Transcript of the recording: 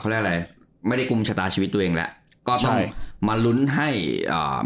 เรียกอะไรไม่ได้กุมชะตาชีวิตตัวเองแล้วก็ต้องมาลุ้นให้อ่า